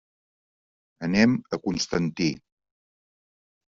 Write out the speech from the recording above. Anem a Constantí.